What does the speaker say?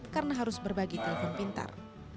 karena harus berbagi telepon pintar